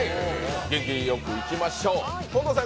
元気よくいきましょう。